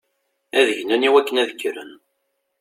Ad gnen iwakken ad kkren.